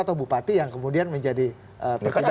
atau bupati yang kemudian menjadi terkenal